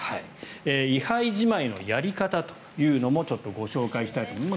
位牌じまいのやり方というのもちょっとご紹介したいと思います。